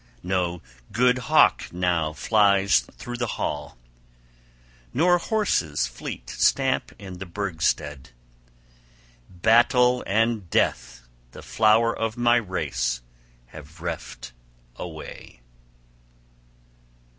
No good hawk now flies through the hall! Nor horses fleet stamp in the burgstead! Battle and death the flower of my race have reft away."